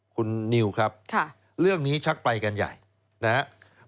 คุณนิวครับเรื่องนี้ชักไปกันใหญ่นะครับ